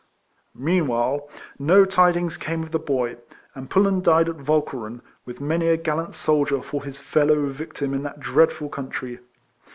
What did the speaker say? Meanwhile, no tidings came of the boy ; and Pullen died at Walcheren, with many a gallant soldier for his fellow victim in that dreadful country.